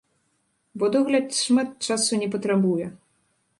Бо догляд шмат часу не патрабуе.